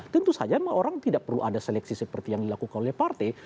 tentu saja orang tidak perlu ada seleksi seperti yang dilakukan oleh partai